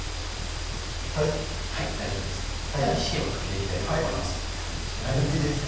はいはい大丈夫ですでは火をかけていきたいと思います何火ですか？